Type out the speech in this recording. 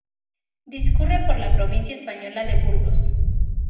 Discurre por la provincia española de Burgos.